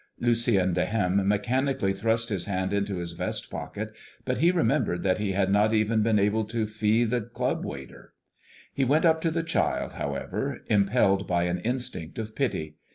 Lucien de Hem mechanically thrust his hand into his vest pocket, but he remembered that he had not even been able to fee the club waiter. He went up to the child, however, impelled by an instinct of pity.